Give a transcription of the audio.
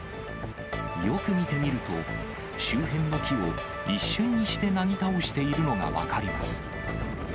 よく見てみると、周辺の木を一瞬にしてなぎ倒しているのが分かります。